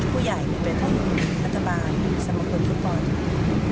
ผู้ใหญ่ในประเทศมัธบาลสมควรทุกบอล